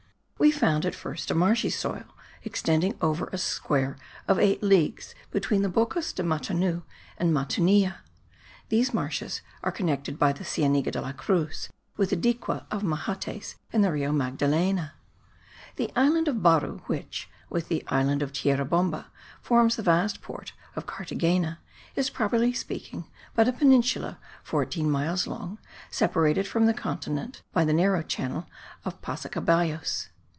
We found at first a marshy soil extending over a square of eight leagues between the Bocas de Matuna and Matunilla. These marshes are connected by the Cienega de la Cruz, with the Dique of Mahates and the Rio Magdalena. The island of Baru which, with the island of Tierra Bomba, forms the vast port of Carthagena, is, properly speaking, but a peninsula fourteen miles long, separated from the continent by the narrow channel of Pasacaballos.